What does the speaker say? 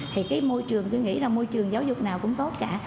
thì cái môi trường tôi nghĩ là môi trường giáo dục nào cũng tốt cả